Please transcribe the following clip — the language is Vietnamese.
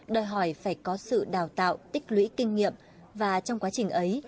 đòi hỏi phải có sự đào tạo tích lũy kinh nghiệm và trong quá trình ấy